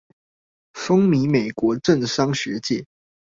風靡美國政商學界